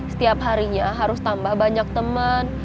setiap harinya harus tambah banyak teman